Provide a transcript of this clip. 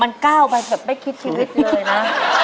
มันก้าวไปแบบไม่คิดชีวิตเลยนะ